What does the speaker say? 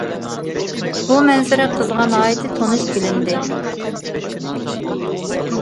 بۇ مەنزىرە قىزغا ناھايىتى تونۇش بىلىندى.